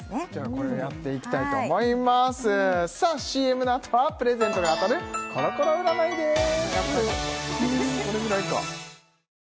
これやっていきたいと思いますさあＣＭのあとはプレゼントが当たるコロコロ占いです